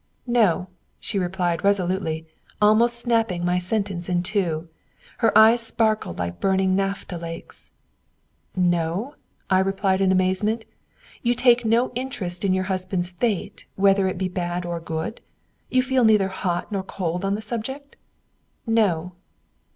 "No!" she replied resolutely, almost snapping my sentence in two. Her eyes sparkled like burning naphtha lakes. "No?" I repeated, in my amazement. "You take no interest in your husband's fate whether it be bad or good? You feel neither hot nor cold on the subject?" "No!"